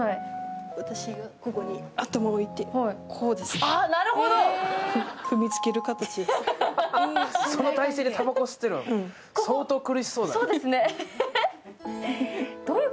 私がここに頭を置いて、こうですねその体勢でたばこを吸ってるわけね、相当苦しそう。